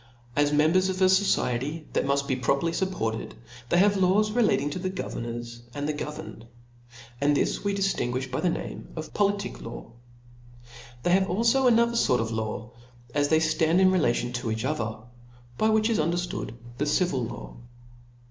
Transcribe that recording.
As members of a fociety that muft be properly fup ported, they have laws relative to the governors aiid the governed , and this we diftingoifh by the name of joliiic law. They have alfo another fort of laws, as they ftand in relation to each other ; by which is underftood the civil law